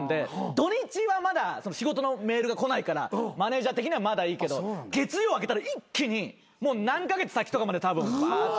土日はまだ仕事のメールが来ないからマネジャー的にはまだいいけど月曜あけたら一気にもう何カ月先とかまでたぶん。